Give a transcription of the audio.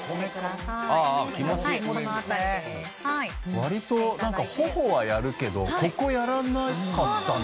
割となんか頬はやるけどここやらなかったので。